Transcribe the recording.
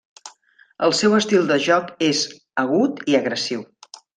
El seu estil de joc és agut i agressiu.